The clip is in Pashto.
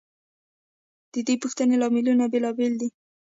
ددې پیښو لاملونه بیلابیل دي.